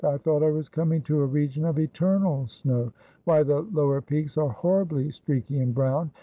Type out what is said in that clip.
I thought I was coming to a region of eternal snow. Why, the lower peaks are horribly streaky and brown.